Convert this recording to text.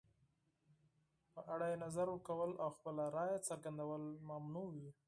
په اړه یې نظر ورکول او خپله رایه څرګندول ممنوع وي.